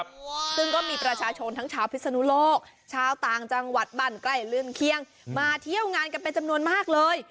ซึ่งก็มีประชาชนทั้งชาวพิศนุโลกชาวต่างจังหวัดบ้านใกล้ลื่นเคียงมาเที่ยวงานกันเป็นจำนวนมากเลย